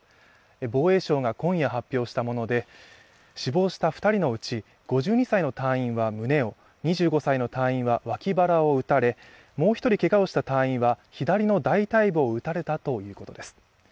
防衛省が今夜発表したもので死亡した２人のうち５２歳の隊員は胸を２５歳の隊員は脇腹を撃たれもう一人けがをした隊員は左の大たい部を撃たれたということです。